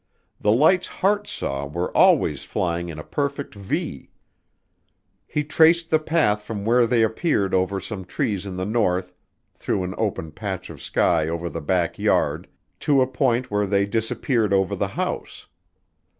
The lights Hart saw were always flying in a perfect V. He traced the path from where they appeared over some trees in the north, through an open patch of sky over the back yard, to a point where they disappeared over the house.